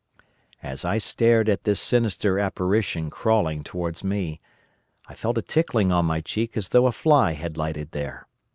"As I stared at this sinister apparition crawling towards me, I felt a tickling on my cheek as though a fly had lighted there.